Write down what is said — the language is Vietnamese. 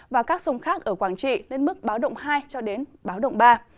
và các sông khác ở quảng trị lên mức báo động hai cho đến báo động ba